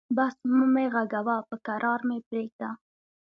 بس مه مې غږوه، به کرار مې پرېږده.